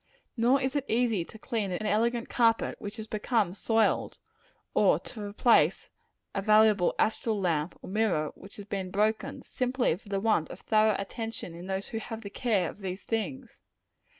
Nor is it easy to clean an elegant carpet which has become soiled, or replace a valuable astral lamp, or mirror, which has been broken, simply for the want of thorough attention in those who have the care of these things.